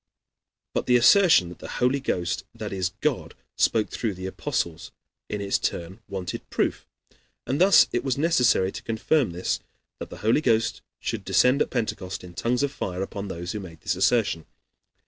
But the assertion that the Holy Ghost, that is, God, spoke through the Apostles, in its turn wanted proof. And thus it was necessary, to confirm this, that the Holy Ghost should descend at Pentecost in tongues of fire upon those who made this assertion.